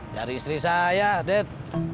dari istri saya det